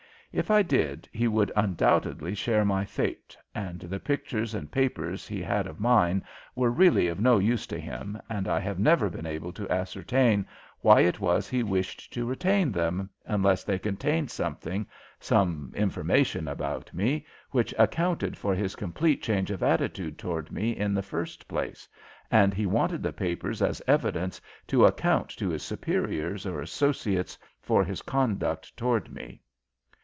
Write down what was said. If I did, he would undoubtedly share my fate, and the pictures and papers he had of mine were really of no use to him, and I have never been able to ascertain why it was he wished to retain them unless they contained something some information about me which accounted for his complete change of attitude toward me in the first place, and he wanted the papers as evidence to account to his superiors or associates for his conduct toward me.